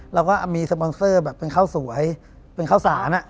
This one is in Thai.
แล้วก็มีสปอนเซอร์แบบเป็นข้าวสวยเป็นข้าวสาร